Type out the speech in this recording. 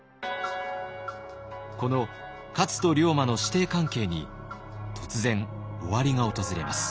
この勝と龍馬の師弟関係に突然終わりが訪れます。